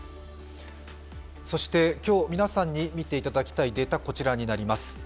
そして今日、皆さんに見ていただきたいデータ、こちらになります。